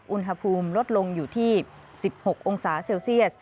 อุณหภูมิลดลงอยู่ที่๑๖องศาเซลเซียส